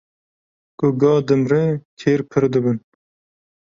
Ku ga dimre kêr pir dibin.